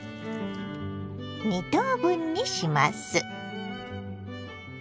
２等分にします。